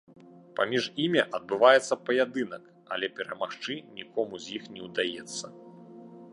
Паміж імі адбываецца паядынак, але перамагчы нікому з іх не ўдаецца.